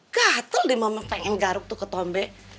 gatel deh mama pengen garuk tuh ketombe